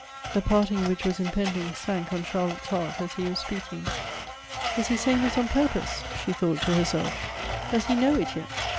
The parting which was impending, sank on Charlotte's heart as he was speaking. Is he saying this on pur pose ? She thought to herself. Does he know it yet ?